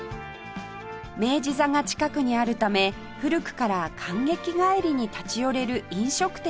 明治座が近くにあるため古くから観劇帰りに立ち寄れる飲食店が充実